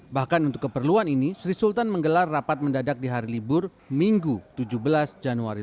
bahkan untuk keperluan ini sri sultan menggelar rapat mendadak di hari libur minggu tujuh belas januari